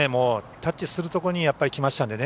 タッチするところにきましたのでね。